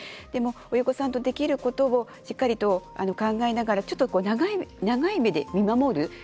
でも、親御さんとできることをしっかりと考えながらちょっと長い目で見守る。